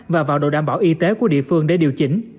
và vào độ đảm bảo y tế của địa phương để điều chỉnh